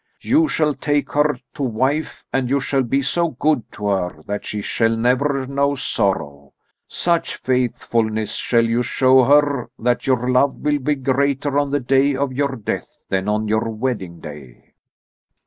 You shall take her to wife, and you shall be so good to her that she shall never know sorrow. Such faithfulness shall you show her that your love will be greater on the day of your death than on your wedding day.'"